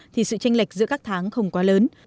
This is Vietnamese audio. thì sự tranh lệch giữa các tháng không quá lớn